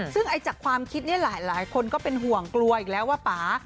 ซึ่งจากความคิดนี้หลายคนก็เป็นห่วงกลัวอีกแล้วว่าป่า